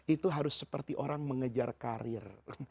itu harus seperti orang mengejar karir